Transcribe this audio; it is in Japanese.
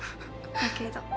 「だけど」